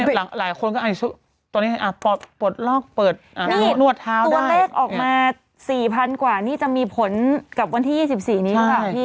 ตัวนี้ปวดลอกเปิดนวดเท้าตัวเลขออกมา๔๐๐๐กว่านี่จะมีผลกับวันที่๒๔นี้หรือเปล่าพี่